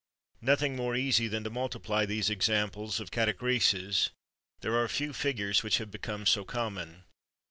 Nothing more easy than to multiply these examples of catachreses: there are few figures which have become so common.